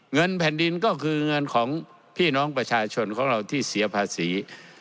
เงินแผ่นดินก็คือเงินของพี่น้องประชาชนของเราที่เสียภาษี